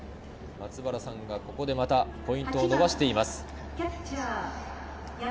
松原さんが、ここでまたポイントを伸ばしています。